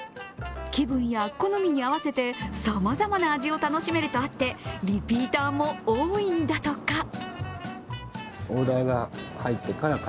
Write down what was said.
気分や好みに合わせてさまざまな味を楽しめるとあって、リピーターも多いんだとか。